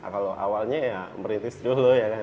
kalau awalnya ya merintis dulu ya kan